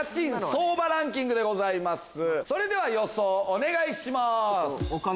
それでは予想お願いします。